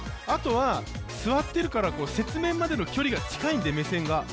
あとは座っているから雪面までの距離が近いんで、目線が。